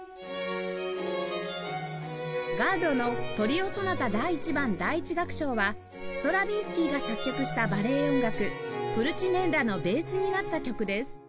ガッロの『トリオ・ソナタ第１番』第１楽章はストラヴィンスキーが作曲したバレエ音楽『プルチネッラ』のベースになった曲です